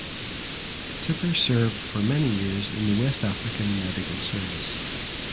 Tipper served for many years in the West African Medical Service.